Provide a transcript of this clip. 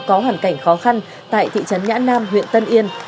có hoàn cảnh khó khăn tại thị trấn nhã nam huyện tân yên